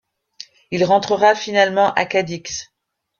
Il rentrera finalement à Cadix.